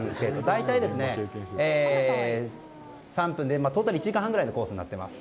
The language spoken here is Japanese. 大体、トータル１時間半くらいのコースになっています。